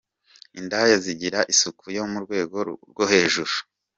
Indaya zigira isuku yo mu rwego rwo hejuru.